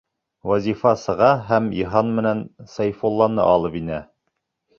Вазифа сыға һәм Йыһан менән Сәйфулланы алып инә.